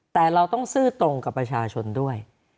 แต่เราต้องซื่อตรงกับประชาชนด้วย